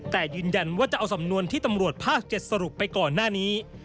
แต่ยืนยันว่าจะเอาสำนวนที่ตำรวจภาค๗สรุปไปก่อนหน้านี้